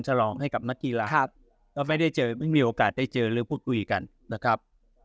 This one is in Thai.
ฉลองให้กับนักกีฬาก็ไม่ได้เจอไม่มีโอกาสได้เจอหรือพูดคุยกันนะครับ